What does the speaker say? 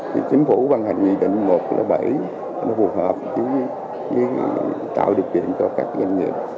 thì chính phủ văn hành nghị định một trăm linh bảy nó phù hợp với tạo điều kiện cho các doanh nghiệp